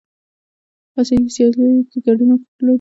آسیایي سیالیو کې ګډون لرو.